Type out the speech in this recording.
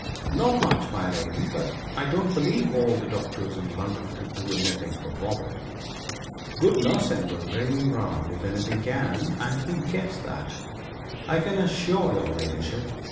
'Not much, my lady. But I don't believe all the doctors in London could do anything for Robert. Good nursing will bring him round if anything can; and he gets that, I can assure your ladyship.